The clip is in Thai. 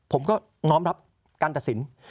ผมก็น้อมรับการตัดสิน